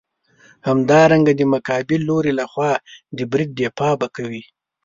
همدارنګه د مقابل لوري لخوا د برید دفاع به کوې.